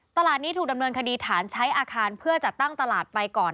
ตลาดนี้ถูกดำเนินคดีฐาน